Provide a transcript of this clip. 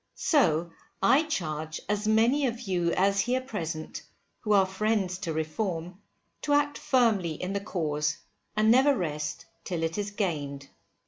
So I charge as many of you as here present, who are friends to Reform, to act firmly in the cause, and never rest till it is gained.